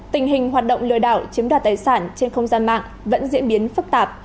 tình hình hoạt động lừa đảo chiếm đoạt tài sản trên không gian mạng vẫn diễn biến phức tạp